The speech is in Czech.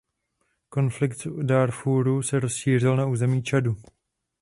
Konflikt v Dárfúru se rozšířil na území Čadu.